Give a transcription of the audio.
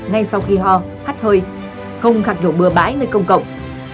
ngay sau khi ho khát hơi không khạc đổ bừa bãi nơi công cộng